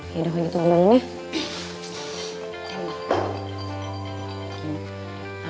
yaudah gue gitu ngomongin ya